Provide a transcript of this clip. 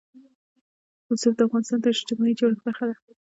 رسوب د افغانستان د اجتماعي جوړښت برخه ده.